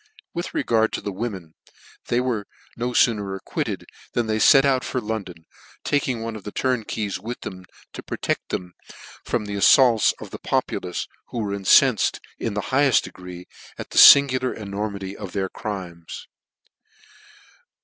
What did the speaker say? With regard to the women, they were no fooner Acquitted than they fet out for London, taking one of the turnkeys with them, to protect them from the affaults of the populace, who were incenfed in the higheft degree at the fingular enormity of their crimes.